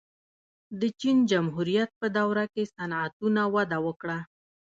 د چین جمهوریت په دوره کې صنعتونه وده وکړه.